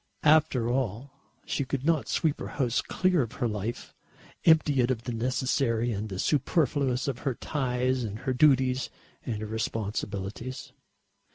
After all she could not sweep her house clear of her life, empty it of the necessary and the superfluous of her ties and her duties and her responsibilities.